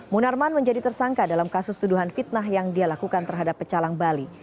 munarman menjadi tersangka dalam kasus tuduhan fitnah yang dia lakukan terhadap pecalang bali